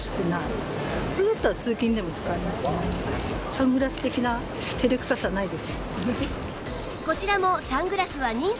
サングラス的な照れくささないですね。